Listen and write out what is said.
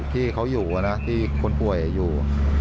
ที่เขาอยู่นะที่คนป่วยอยู่